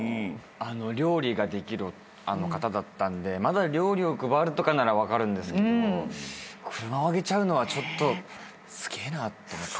料理ができる方だったんでまだ料理を配るとかなら分かるんですけど車をあげちゃうのはちょっとすげえなって思って。